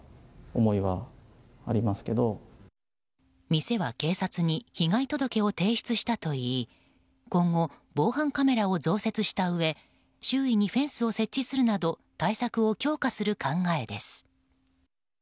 店は警察に被害届を提出したといい今後、防犯カメラを増設したうえ周囲にフェンスを設置するなど対策を強化する考えです。